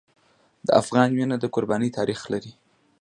د افغان وینه د قربانۍ تاریخ لري.